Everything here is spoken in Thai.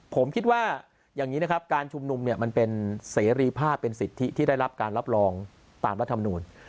ผมคิดว่าอย่างนี้นะครับการชุมนุมเนี่ยมันเป็นเสรีภาพเป็นสิทธิที่ได้รับการรับรองตามรัฐมนูล